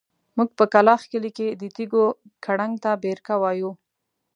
موږ په کلاخ کلي کې د تيږو کړنګ ته بېرکه وايو.